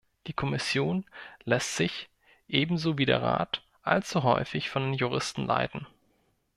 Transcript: Die Kommission lässt sich, ebenso wie der Rat, allzu häufig von den Juristen leiten.